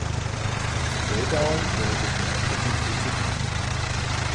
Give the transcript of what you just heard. Das Pedal wurde später hinzugefügt.